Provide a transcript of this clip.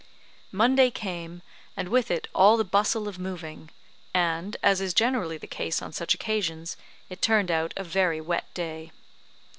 Monday came, and with it all the bustle of moving, and, as is generally the case on such occasions, it turned out a very wet day.